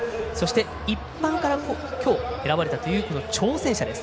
今日は一般から選ばれたという挑戦者です。